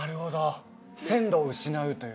鮮度を失うというか。